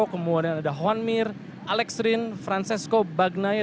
kemudian ada juan mir alex rin francesco bagnaia